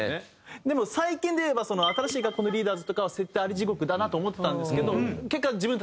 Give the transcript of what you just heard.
でも最近でいえば新しい学校のリーダーズとかは設定アリ地獄だなと思ってたんですけど。